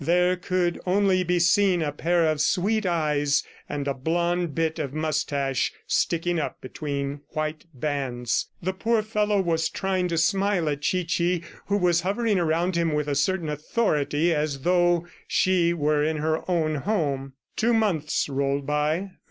There could only be seen a pair of sweet eyes and a blond bit of moustache sticking up between white bands. The poor fellow was trying to smile at Chichi, who was hovering around him with a certain authority as though she were in her own home. Two months rolled by.